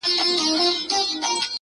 ژړا، سلگۍ زما د ژوند د تسلسل نښه ده.